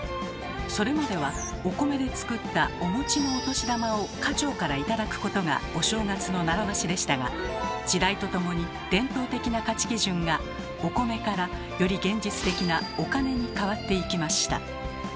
それまではお米で作った「おの御年魂」を家長から頂くことがお正月の習わしでしたが時代とともに伝統的な価値基準が「お米」からより現実的な「お金」に変わっていきました。